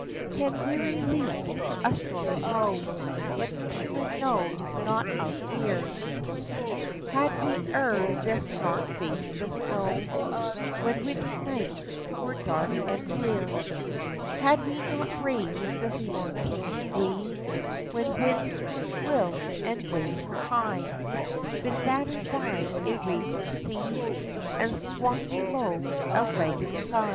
Ten weary leagues — a stormy row ! But fishermen know naught of fear ; Had we ere this not faced the snow When winter nights were dark and drear ? Had we not braved the Storm king's glee When winds were shrill and waves were high, Been battered by a raging sea And swung below a ragged sk}^